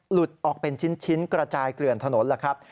หลุดออกเป็นชิ้นกระจายเกลื่อนถนนแล้วครับ